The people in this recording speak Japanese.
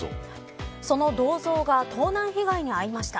その銅像が盗難被害に遭いました。